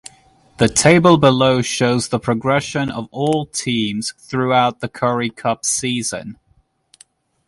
The table below shows the progression of all teams throughout the Currie Cup season.